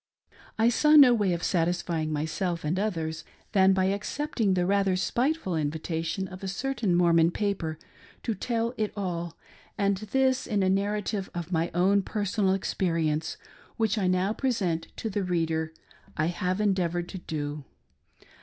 • I saw no way of satisfying myself and others than by accepting the rather spiteful invitation of a certain Mormon paper to " Tell it all," and this, in a narrative of my own personal experience, which I now present to the reader, I have endeavored to do.